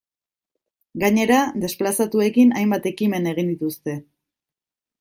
Gainera desplazatuekin hainbat ekimen egin dituzte.